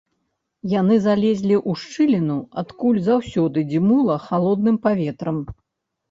Яны залезлі ў шчыліну, адкуль заўсёды дзьмула халодным паветрам.